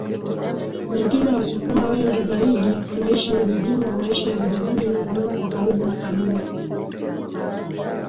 mengine wasukuma wengi zaidi wanaishi vijijini na maisha ya vijijini yanafanana kwa karibu makabila